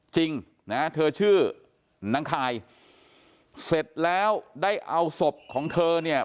จริงนะเธอชื่อนางคายเสร็จแล้วได้เอาศพของเธอเนี่ย